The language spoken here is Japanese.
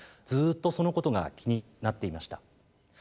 ずっとそのことが気になっていました。